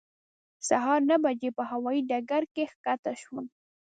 سهار نهه بجې په هوایې ډګر کې ښکته شوم.